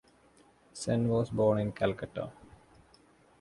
Sen was born in Calcutta.